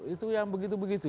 itu yang begitu begitu